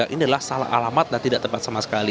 ini adalah salah alamat dan tidak tepat sama sekali